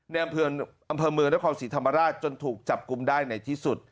อำเภอเมืองนครศรีธรรมราชจนถูกจับกลุ่มได้ในที่สุด